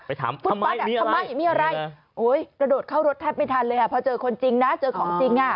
ฟุตบอลทำไมมีอะไรกระโดดเข้ารถแทบไม่ทันเลยอ่ะพอเจอคนจริงนะเจอของจริงอ่ะ